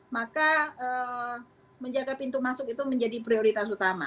maka menjaga pintu masuk itu menjadi prioritas utama